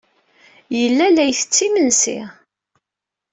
Yella la ittett imensi.